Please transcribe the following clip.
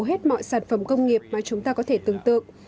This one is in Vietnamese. hết mọi sản phẩm công nghiệp mà chúng ta có thể tưởng tượng